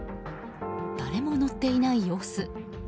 誰も乗っていない様子。